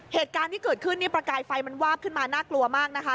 เหตุการณ์ที่เกิดขึ้นนี่ประกายไฟมันวาบขึ้นมาน่ากลัวมากนะคะ